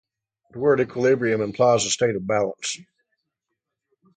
The word equilibrium implies a state of balance.